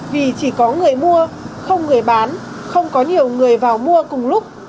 vì chỉ có người mua không người bán không có nhiều người vào mua cùng lúc